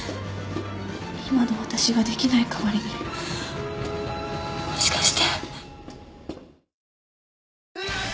今の私ができない代わりにもしかして。